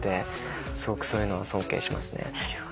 すごくそういうのは尊敬しますね。